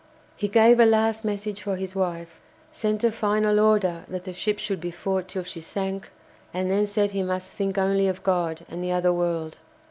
He gave a last message for his wife, sent a final order that the ship should be fought till she sank, and then said he must think only of God and the other world.